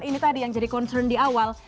ini tadi yang jadi concern di awal